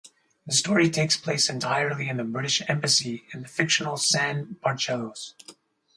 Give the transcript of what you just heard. The story takes place entirely in the British Embassy in the fictional San Barcellos.